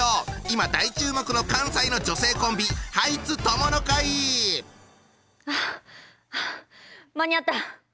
今大注目の関西の女性コンビはあはあ間に合った。